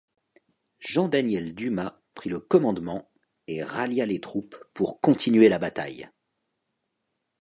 Jean-Daniel Dumas prit le commandement et rallia les troupes pour continuer la bataille.